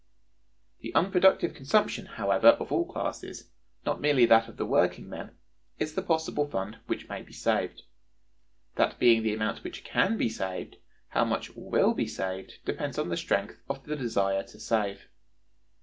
The unproductive consumption, however, of all classes—not merely that of the working men—is the possible fund which may be saved. That being the amount which can be saved, how much will be saved depends on the strength of the desire to save.